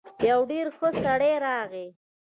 يو ډېر ښه سړی راغی.